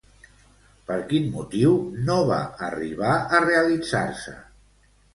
Per quin motiu no va arribar a realitzar-se?